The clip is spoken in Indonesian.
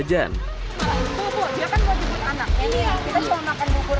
bukur dia kan mau jemput anak ini yang kita cuma makan bubur